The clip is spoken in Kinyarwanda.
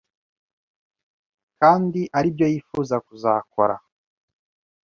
kandi ari byo yifuza kuzakora